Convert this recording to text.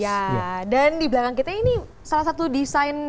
yang dising have di wilayah kemarin kita ketahui untuk baca baca jualan semalam